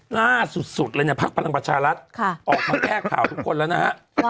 ล่าสุดเลยเนี่ยพักพลังประชารัฐออกมาแก้ข่าวทุกคนแล้วนะฮะ